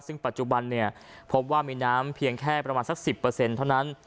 ซึ่งปัจจุบันพบว่ามีน้ำเพียงแค่ประมาณสัก๑๐เท่านั้น